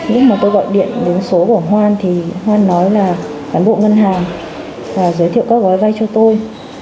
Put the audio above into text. lúc mà tôi gọi điện đến số của hoan thì hoan nói là cán bộ ngân hàng giới thiệu các gói vay cho tôi